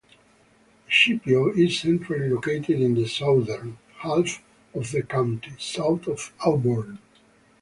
Scipio is centrally located in the southern half of the county, south of Auburn.